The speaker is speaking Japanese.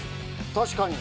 確かに。